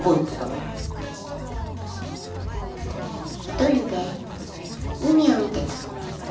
一人で海を見てた。